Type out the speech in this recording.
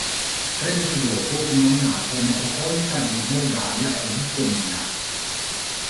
Tre mesi dopo fu nominato metropolita di Moldavia e Bucovina.